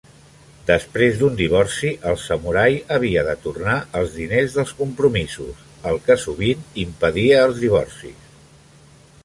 Després d'un divorci, el samurai havia de tornar els diners dels compromisos, el que sovint impedia els divorcis.